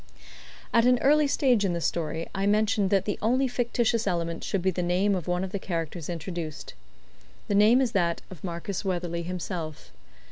At an early stage in the story I mentioned that the only fictitious element should be the name of one of the characters introduced. The name is that of Marcus Weatherley himself.